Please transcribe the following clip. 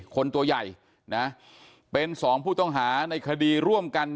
ตัวใหญ่นะเป็นสองผู้ต้องหาในคดีร่วมกัน